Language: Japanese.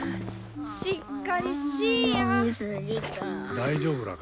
大丈夫らか。